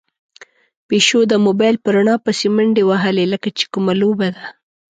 پيشو د موبايل په رڼا پسې منډې وهلې، لکه چې کومه لوبه ده.